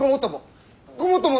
ごもっとも！